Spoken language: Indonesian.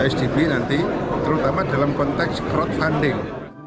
sdp nanti terutama dalam konteks crowdfunding